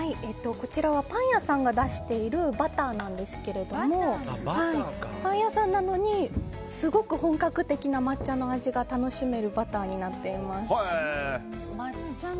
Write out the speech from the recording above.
こちらはパン屋さんが出しているバターなんですがパン屋さんなのにすごく本格的な抹茶の味が楽しめるバターになっています。